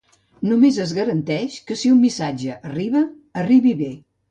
Només es garanteix que si un missatge arriba, arribi bé.